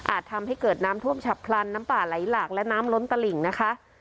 ทำให้เกิดน้ำท่วมฉับพลันน้ำป่าไหลหลากและน้ำล้นตลิ่งนะคะ